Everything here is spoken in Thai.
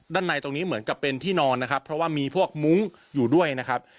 ในตรงนี้เหมือนกับเป็นที่นอนนะครับเพราะว่ามีพวกมุ้งอยู่ด้วยนะครับ